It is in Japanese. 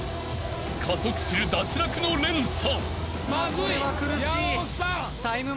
［加速する脱落の連鎖］